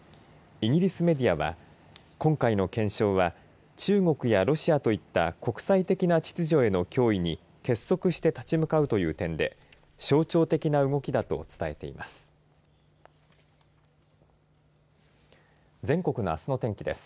イギリスメディアは今回の憲章は中国やロシアといった国際的な秩序への脅威に結束して立ち向かうという点で象徴的な動きだと伝えています。